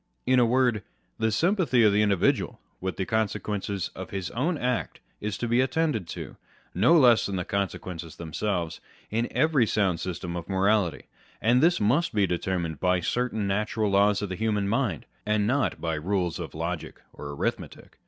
In a word, the sympathy of the individual with the consequences of his own act is to be attended to (no less than the consequences themselves) in every sound system of morality ; and this must be deter mined by certain natural laws of the human mind, and not by rules of logic or arithmetic.